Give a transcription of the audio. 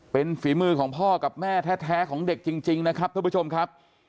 เป็นฝีมือของพ่อกับแม่แท้ของเด็กจริงนะครับท่านผู้ชมครับ